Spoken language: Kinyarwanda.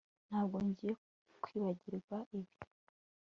Ntabwo ngiye kwibagirwa ibi